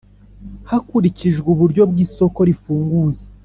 Hakurikijwe uburyo bw isoko rifunguye